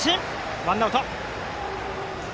ワンアウト。